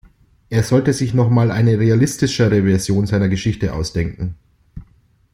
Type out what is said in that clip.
Er sollte sich noch mal eine realistischere Version seiner Geschichte ausdenken.